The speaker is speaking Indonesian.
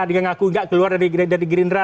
dia ngaku nggak keluar dari gerindra